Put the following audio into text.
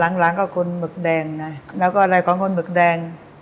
หลังก็คนหมึกแดงนะแล้วก็อะไรของคนหมึกแดง